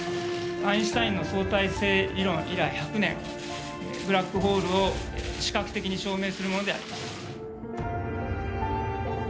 アインシュタインの相対性理論以来１００年ブラックホールを視覚的に証明するものであります。